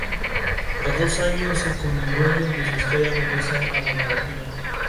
Tras dos años y con "El dueño de su historia" regresa a la narrativa.